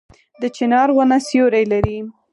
د چنار ونه سیوری لري